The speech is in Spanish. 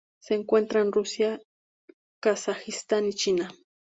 Se encuentra en Rusia, Kazajistán y China.